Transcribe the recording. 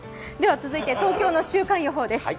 続いて、東京の週間予報です。